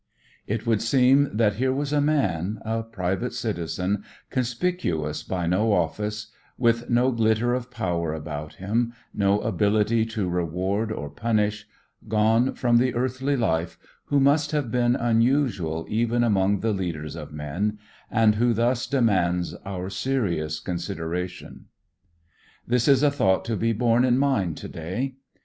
It would seem that here was a man, a private citizen, conspicuous by no office, with no glitter of power about him, no ability to reward or punish, gone from the earthly life, who must have been unusual even among the leaders of men, and who thus demands our serious consideration. This is a thought to be borne in mind to day.